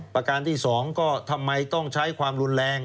ประการที่๒ก็ทำไมต้องใช้ความรุนแรง